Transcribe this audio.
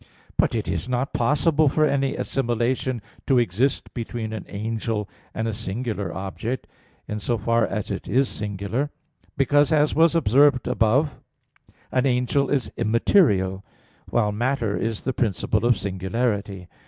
But it is not possible for any assimilation to exist between an angel and a singular object, in so far as it is singular; because, as was observed above (Q. 50, A. 2), an angel is immaterial, while matter is the principle of singularity.